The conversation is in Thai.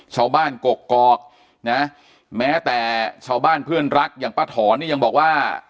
ชาวบ้านกกอกนะแม้แต่ชาวบ้านเพื่อนรักอย่างป้าถอนนี่ยังบอกว่า